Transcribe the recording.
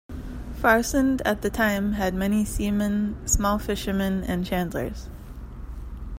Farsund at that time had many seamen, small fishermen and chandlers.